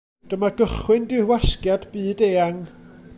Dyma gychwyn dirwasgiad byd-eang.